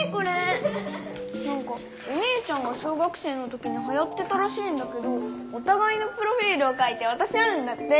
なんかお姉ちゃんが小学生の時にはやってたらしいんだけどおたがいのプロフィールを書いてわたし合うんだって。